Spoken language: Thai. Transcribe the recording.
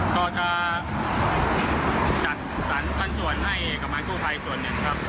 ก็จะจัดสรรปันส่วนให้กับงานกู้ภัยส่วนหนึ่งครับ